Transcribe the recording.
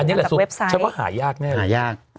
อันนี้แหละช่วงหายากแน่เลย